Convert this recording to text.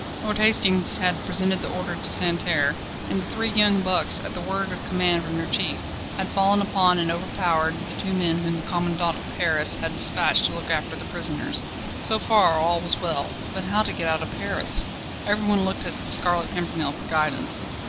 Lord Hastings had presented the order to Santerre, and the three young bucks, at the word of command from their chief, had fallen upon and overpowered the two men whom the commandant of Paris had despatched to look after the prisoners. So far all was well. But how to get out of Paris? Everyone looked to the Scarlet Pimpernel for guidance.